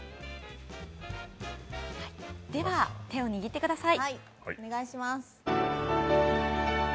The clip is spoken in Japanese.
では手を握ってください。